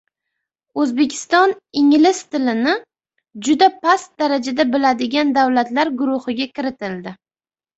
O‘zbekiston ingliz tilini “juda past darajada” biladigan davlatlar guruhiga kiritildi